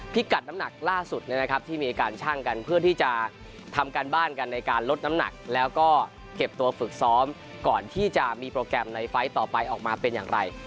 กัดน้ำหนักล่าสุดที่มีการชั่งกันเพื่อที่จะทำการบ้านกันในการลดน้ำหนักแล้วก็เก็บตัวฝึกซ้อมก่อนที่จะมีโปรแกรมในไฟล์ต่อไปออกมาเป็นอย่างไร